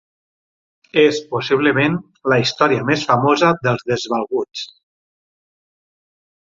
És possiblement la història més famosa dels desvalguts.